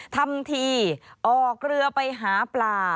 ทำทีออกเรือไปหาปลา